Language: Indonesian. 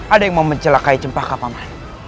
ada yang mau mencelak kain cempaka paman